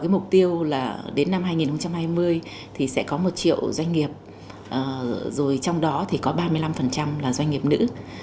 mục tiêu là đến năm hai nghìn hai mươi sẽ có một triệu doanh nghiệp trong đó có ba mươi năm doanh nghiệp nữ